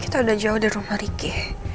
kita udah jauh dari rumah riki